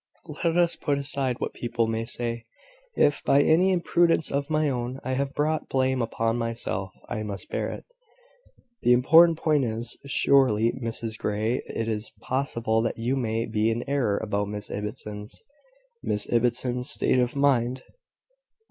"Let us put aside what people may say. If, by any imprudence of my own, I have brought blame upon myself, I must bear it. The important point is . Surely, Mrs Grey, it is possible that you may be in error about Miss Ibbotson's Miss Ibbotson's state of mind."